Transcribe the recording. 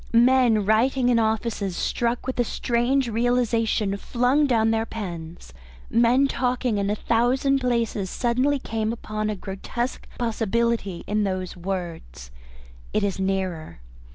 Men writing in offices, struck with a strange realisation, flung down their pens, men talking in a thousand places suddenly came upon a grotesque possibility in those words, "It is nearer."